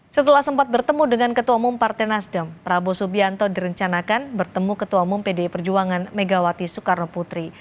setelah sempat bertemu dengan ketua umum partai nasdem prabowo subianto direncanakan bertemu ketua umum pdi perjuangan megawati soekarno putri